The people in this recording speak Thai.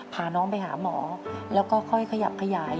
พาน้องไปหาหมอแล้วก็ค่อยขยับขยาย